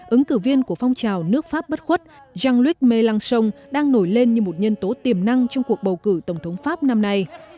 ứng cử viên của phong trào nước pháp bất khuất jean luc mélenchon đang nổi lên như một nhân tố tiềm năng trong cuộc bầu cử tổng thống pháp năm nay